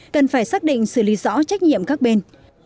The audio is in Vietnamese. cần phải xác định xử lý rõ trách nhiệm các bên